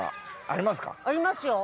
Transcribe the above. ありますよ。